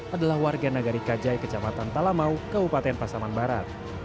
adalah warga nagari kajai kejabatan talamau keupatan pasaman barat